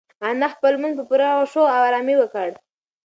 انا خپل لمونځ په پوره خشوع او ارامۍ وکړ.